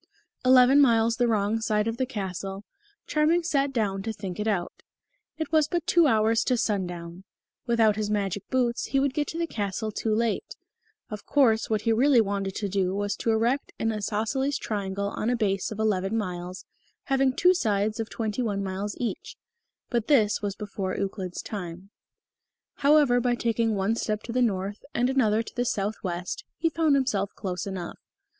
Eleven miles the wrong side of the castle, Charming sat down to think it out. It was but two hours to sundown. Without his magic boots he would get to the castle too late. Of course, what he really wanted to do was to erect an isosceles triangle on a base of eleven miles, having two sides of twenty one miles each. But this was before Euclid's time. However, by taking one step to the north and another to the southwest, he found himself close enough.